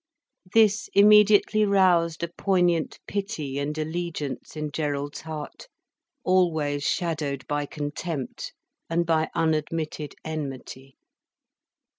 This immediately roused a poignant pity and allegiance in Gerald's heart, always shadowed by contempt and by unadmitted enmity.